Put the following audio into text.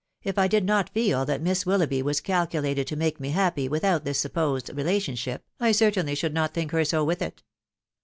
If I did not feel that Miss Willoughby was calculated to make me happy with out this supposed relationship, I cettaiitV} &usv&& to*. *&&&. her so with it.